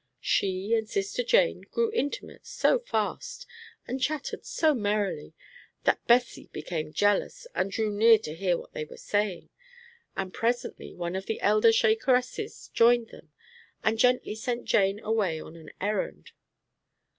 She and sister Jane grew intimate so fast, and chattered so merrily, that Bessie became jealous and drew near to hear what they were saying, and presently one of the elder Shakeresses joined them, and gently sent Jane away on an errand.